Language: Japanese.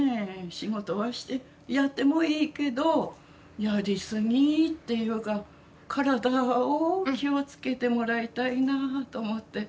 仕事はしてやってもいいけどやりすぎっていうか体を気をつけてもらいたいなと思って。